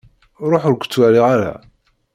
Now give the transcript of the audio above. Ruḥ ur-k ttwaliɣ ara!